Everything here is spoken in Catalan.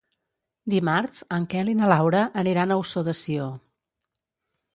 Dimarts en Quel i na Laura aniran a Ossó de Sió.